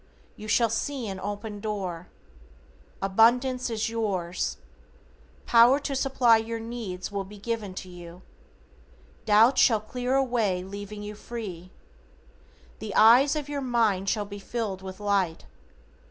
You shall see an open door. Abundance is yours. Power to supply your needs will be given to you. Doubts shall clear away leaving you free. The eyes of your mind shall be filled with light.